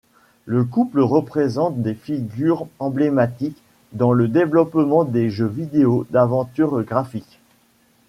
Le couple représente des figures emblématiques dans le développement des jeux vidéo d'aventure graphique.